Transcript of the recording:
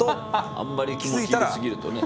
あんまり気持ち入れ過ぎるとね。